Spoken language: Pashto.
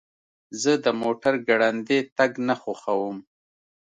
زه د موټر ګړندی تګ نه خوښوم.